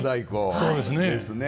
そうですね。